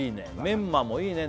メンマもいいね